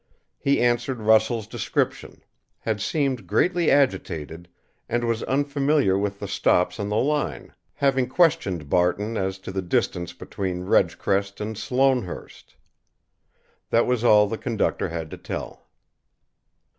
He answered Russell's description, had seemed greatly agitated, and was unfamiliar with the stops on the line, having questioned Barton as to the distance between Ridgecrest and Sloanehurst. That was all the conductor had to tell.